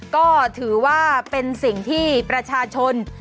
ก็ถือว่าเป็นสิ่งที่ประชาชน